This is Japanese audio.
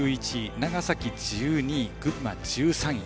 長崎、１２位群馬、１３位。